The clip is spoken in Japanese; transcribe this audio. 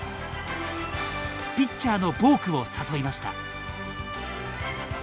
ピッチャーのボークを誘いました。